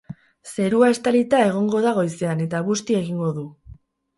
Zerua estalita egongo da goizean eta busti egingo du.